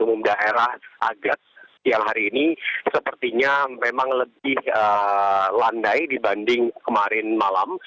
umum daerah agak siang hari ini sepertinya memang lebih landai dibanding kemarin malam